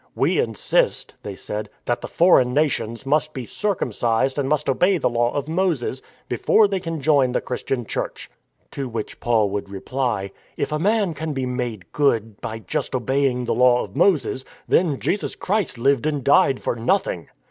" We insist," they said, " that the foreign nations must be circumcised and must obey the Law of Moses before they can join the Christian Church." To which Paul would reply, " If a man can be made good by just obeying the Law of Moses, then Jesus Christ lived and died for nothing."